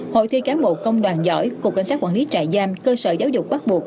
hội thi cán bộ công đoàn giỏi cục cảnh sát quản lý trại giam cơ sở giáo dục bắt buộc